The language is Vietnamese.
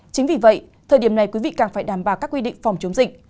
chính vì vậy thời điểm này quý vị càng phải đảm bảo các quy định phòng chống dịch